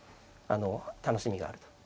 あの楽しみがあると。